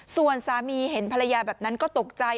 ส่วนสามีเห็นภรรยาแบบนั้นก็ตกใจ